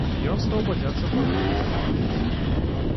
Ён стаў бадзяцца па горадзе, піць.